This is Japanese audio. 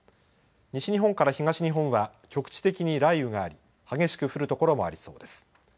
西日本から東日本は局地的に雷雨があり激しく降る所もありそうです。